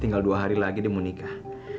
tinggal dua hari lagi dia mau nikah